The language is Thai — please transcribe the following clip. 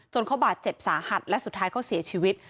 เขาบาดเจ็บสาหัสและสุดท้ายเขาเสียชีวิต